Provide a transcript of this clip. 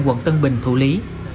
quận tân bình thủ lý